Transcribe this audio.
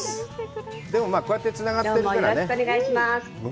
でも、こうやってつながるからね。